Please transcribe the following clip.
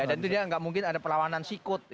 dan dia gak mungkin ada perlawanan sikut